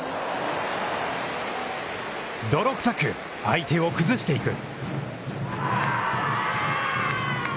泥くさく、相手を崩していく。